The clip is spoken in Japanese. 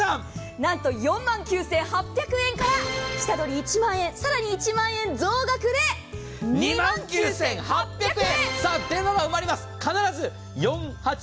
なんと４万９８００円から下取り１万円、更に１万円増額で２万９８００円！